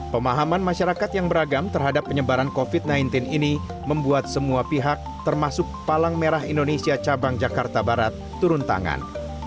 pemahaman masyarakat yang beragam terhadap penyebaran covid sembilan belas ini membuat semua pihak termasuk palang merah indonesia cabang jakarta barat turun tangan